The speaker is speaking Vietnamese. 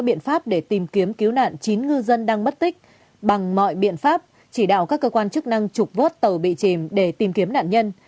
bằng mọi biện pháp chỉ đạo các cơ quan chức năng trục vốt tàu bị chìm để tìm kiếm nạn nhân